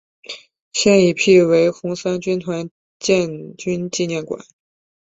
现已辟为红三军团建军纪念馆。